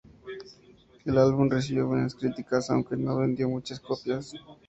El álbum recibió buenas críticas, aunque no vendió muchas copias.